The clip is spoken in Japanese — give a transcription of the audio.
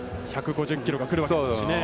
１５０キロが来るわけですからね。